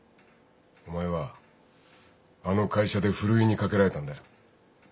お前はあの会社でふるいにかけられたんだよ。